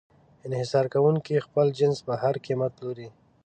انحصار کوونکی خپل جنس په هر قیمت پلوري.